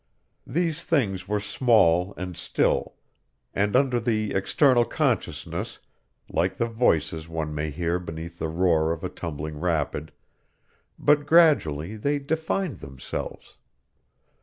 These things were small and still, and under the external consciousness like the voices one may hear beneath the roar of a tumbling rapid but gradually they defined themselves.